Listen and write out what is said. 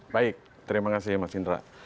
baik terima kasih mas indra